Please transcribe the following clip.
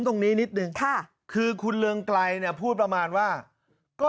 ตรงนี้นิดนึงค่ะคือคุณเรืองไกรเนี่ยพูดประมาณว่าก็